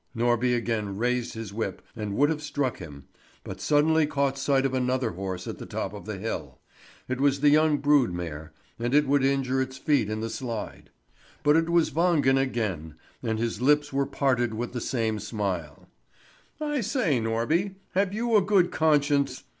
Norby again raised his whip and would have struck him, but suddenly caught sight of another horse at the top of the hill. It was the young brood mare, and it would injure its feet in the slide. But it was Wangen again, and his lips were parted with the same smile: "I say, Norby, have you a good conscience?